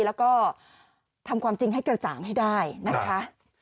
แล้วก็ทำความจริงให้กระจ่างให้ได้นะคะ